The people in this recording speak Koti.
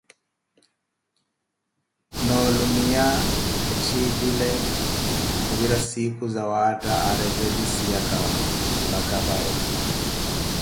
Noolumiya etthipele khuvira siikhu sawatta aretevisiyaka vace vawe.